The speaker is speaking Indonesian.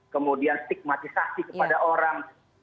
kemudian stigmatisasi kepada orang